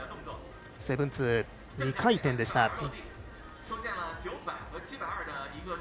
２回転でした。